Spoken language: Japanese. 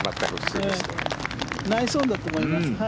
ナイスオンだと思います。